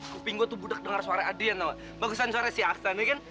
kuping gue tuh budak dengar suara adrian lo bagusan suara si aksan ya kan